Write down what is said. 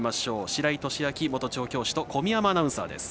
白井寿昭元調教師と小宮山アナウンサーです。